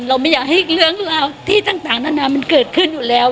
เราไม่อยากให้เรื่องราวที่ต่างนานามันเกิดขึ้นอยู่แล้ว